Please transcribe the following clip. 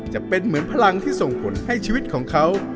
จะเป็นเหมือนพลังที่ส่งผลให้ชีวิตของเขา